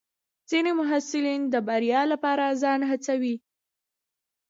ځینې محصلین د بریا لپاره ځان هڅوي.